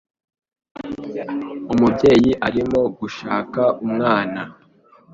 Umubyeyi arimo gushaka umwana.